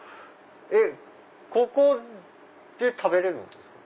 えっここで食べれるんですか？